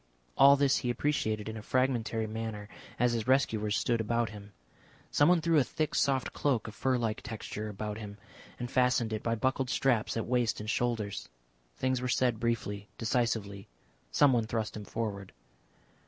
All this he appreciated in a fragmentary manner as his rescuers stood about him. Someone threw a thick soft cloak of fur like texture about him, and fastened it by buckled straps at waist and shoulders. Things were said briefly, decisively. Someone thrust him forward.